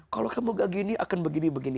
kalau kamu gak gini akan begini begini